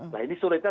nah ini sulitnya